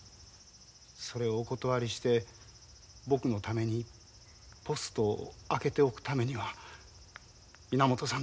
それをお断りして僕のためにポストを空けておくためには稲本さん